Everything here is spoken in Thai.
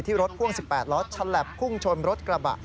ที่รถพ่วง๑๘รถชัดแลบพุ่งชนรถกระบะ